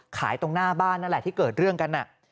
ขายตรงหน้าบ้านนั่นแหละที่เกิดเรื่องกัน